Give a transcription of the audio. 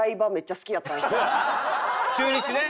中日ね。